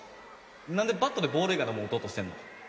なんでバットでボール以外のもん打とうとしてんの？